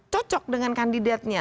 cocok dengan kandidatnya